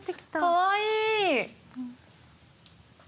かわいい。